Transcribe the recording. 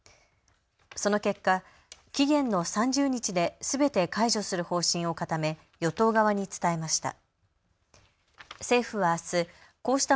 その結果、期限の３０日ですべて解除する方針を固め与党側に伝えました。